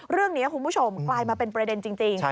คุณผู้ชมกลายมาเป็นประเด็นจริง